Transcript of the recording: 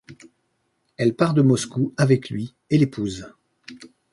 Elle part de Moscou avec lui et l'épouse.